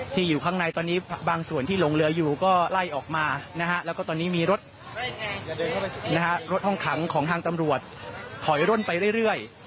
อยู่ข้างในตอนนี้บางส่วนที่ลงเรืออยู่ก็ไล่ออกมานะฮะแล้วก็ตอนนี้มีรถรถห้องขังของทางตำรวจถอยร่นไปเรื่อย